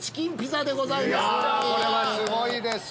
これはすごいです！